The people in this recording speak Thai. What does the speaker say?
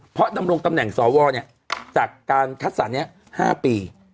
เพราะดำรงตำแหน่งสวจากการคัดสรรนี้๕ปี